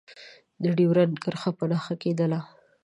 د ډیورنډ کرښه په نښه کېدله.